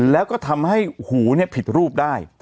แล้วก็ทำให้หูผิดรูปได้